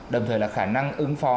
đồng thời là khả năng ứng phó